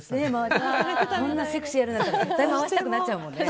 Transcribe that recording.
こんなセクシーをやるなんて絶対回したくなっちゃうもんね。